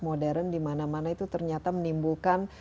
modern dimana mana itu ternyata menimbulkan